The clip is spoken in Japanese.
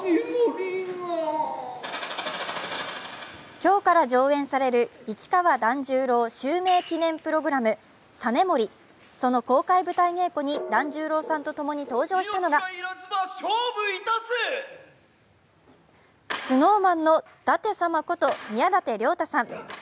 今日から上演される市川團十郎襲名記念プログラム「ＳＡＮＥＭＯＲＩ」その公開舞台稽古に團十郎さんとともに登場したのがＳｎｏｗＭａｎの舘様こと宮舘涼太さん。